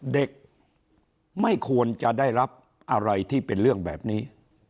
เด็กไม่ควรจะได้รับอะไรที่เป็นเรื่องแบบนี้